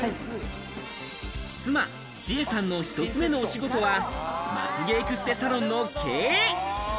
妻・智恵さんの１つ目のお仕事はまつげエクステサロンの経営。